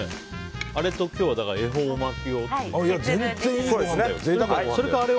あれと今日、恵方巻きを。